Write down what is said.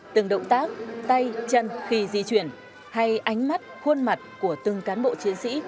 từng động tác tay chân khi di chuyển hay ánh mắt khuôn mặt của từng cán bộ chiến sĩ